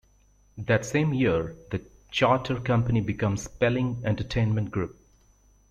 That same year the Charter Company becomes Spelling Entertainment Group.